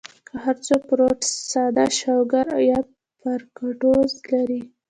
کۀ هر څو فروټس ساده شوګر يا فرکټوز لري